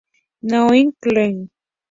Naomi Klein